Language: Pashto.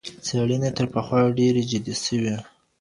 څېړنې تر پخوا ډېرې جدي سوې.